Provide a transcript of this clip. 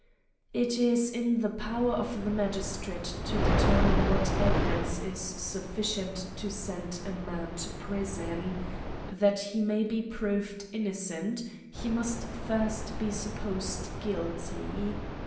It is in the power of the magistrate to determine what evi dence is sufficient to send a man to prison ; that he may be proved innocent, he must first be sup posed guilty.